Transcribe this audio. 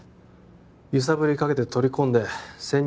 揺さぶりかけて取り込んで潜入